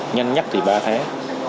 nhanh nhất thì ba tháng